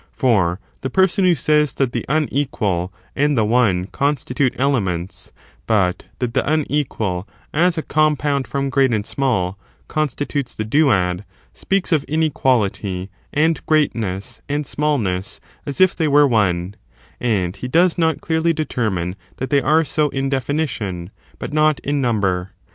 For the person who says that the imequal and the one constitute elements, but that the unequal, as a compound from great and small, constitutes the duad, speaks of inequality, and greatness, and smallness, as if they were one ; and he does not clearly determine that they are so in definition, but not in number.